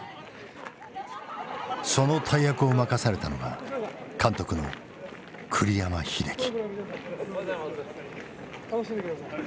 その大役を任されたのが監督の栗山英樹。